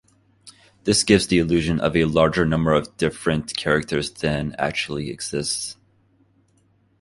This gives the illusion of a larger number of different characters than actually exist.